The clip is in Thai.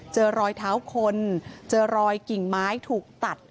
เจอรอยเท้าคนเจอรอยกิ่งไม้ถูกตัด